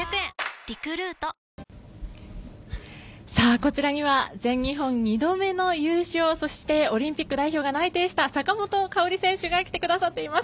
こちらには全日本２度目の優勝そしてオリンピック代表が内定した坂本花織選手が来てくださっています。